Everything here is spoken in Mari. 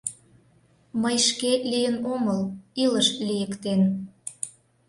— Мый шке лийын омыл, илыш лийыктен...